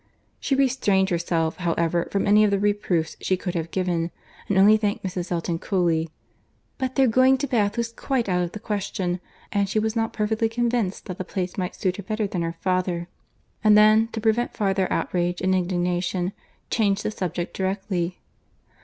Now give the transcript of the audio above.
She restrained herself, however, from any of the reproofs she could have given, and only thanked Mrs. Elton coolly; "but their going to Bath was quite out of the question; and she was not perfectly convinced that the place might suit her better than her father." And then, to prevent farther outrage and indignation, changed the subject directly.